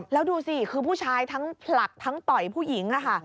แล้วดูสิคือผู้ชายทั้งผลักทั้งต่อยผู้หญิงค่ะ